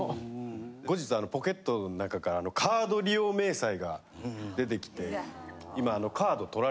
後日ポケットの中からカード利用明細が出てきて今。